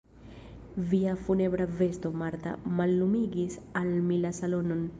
Via funebra vesto, Marta, mallumigis al mi la salonon.